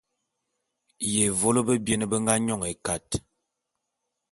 Yévô bebien be nga nyon ékat.